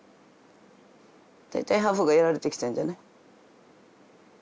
大体ハーフがやられてきたんじゃない？